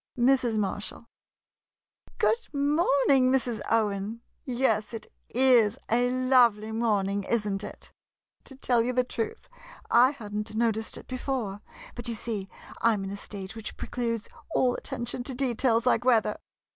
Mrs. Marshall Good morning, Mrs. Owen. Yes, it is a lovely morning, is n't it ? To tell you the truth, I had n't noticed it before, but you see I 'm in a state which precludes all attention to details like weather